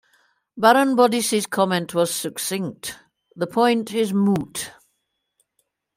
Baron Bodissey's comment was succinct: "The point is moot".